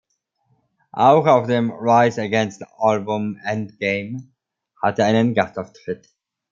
Auch auf dem Rise-Against-Album Endgame hat er einen Gastauftritt.